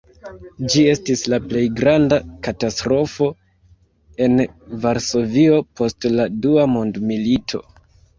Ĝi estis la plej granda katastrofo en Varsovio post la dua mondmilito.